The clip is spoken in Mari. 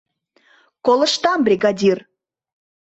Колыштам, бригадир!